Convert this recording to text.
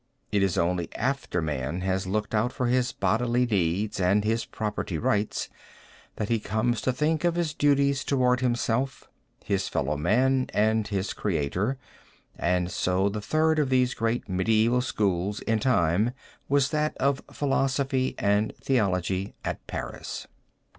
It is only after man has looked out for his bodily needs and his property rights, that he comes to think of his duties toward himself, his fellow men, and his Creator, and so the third of these great medieval schools, in time, was that of philosophy and theology, at Paris.